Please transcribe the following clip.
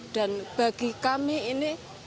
dan bagi kami ini